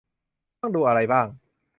ต้องดูอะไรบ้าง